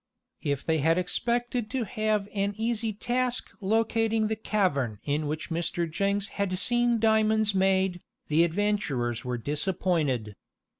If they had expected to have an easy task locating the cavern in which Mr. Jenks had seen diamonds made, the adventurers were disappointed.